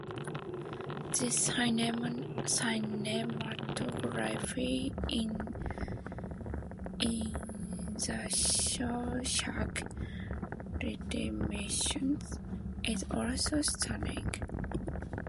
The cinematography in "The Shawshank Redemption" is also stunning.